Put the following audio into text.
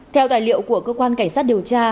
theo tài liệu của cơ quan cảnh sát điều tra